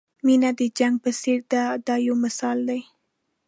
مینه د جنګ په څېر ده دا یو مثال دی.